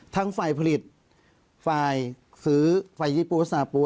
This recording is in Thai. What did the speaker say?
ทั้งไฟล์ผลิตไฟล์ซื้อไฟล์ยี่ปุ๊กสาปุ๊ก